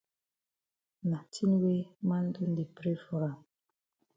Na tin way man don di pray for am.